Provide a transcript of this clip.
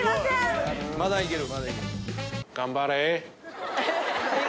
まだいける。